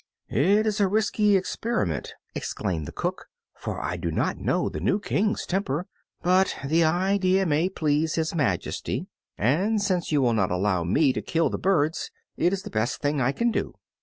"It is a risky experiment," exclaimed the cook, "for I do not know the new King's temper. But the idea may please His Majesty, and since you will not allow me to kill the birds, it is the best thing I can do.